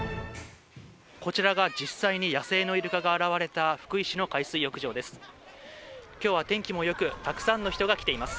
こちらが実際に野生のイルカが現れた福井市の海水浴場です。